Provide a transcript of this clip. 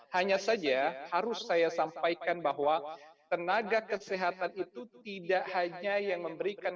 hanya saja harus saya sampaikan bahwa tenaga kesehatan itu tidak hanya yang memberikan